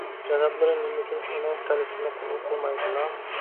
جانابلىرى نېمە ئۈچۈن ئۇنىڭ تەلىپىنى قوبۇل قىلمايدىلا؟